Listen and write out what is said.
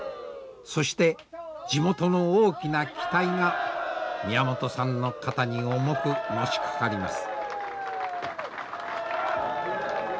そして地元の大きな期待が宮本さんの肩に重くのしかかります。